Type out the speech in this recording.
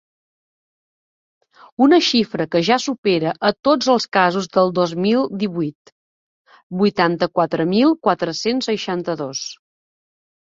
Una xifra que ja supera a tots els casos del dos mil divuit: vuitanta-quatre mil quatre-cents seixanta-dos.